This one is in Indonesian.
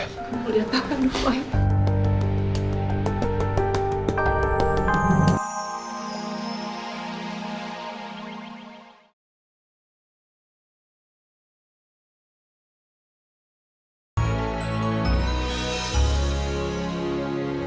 kamu lihat takkan pak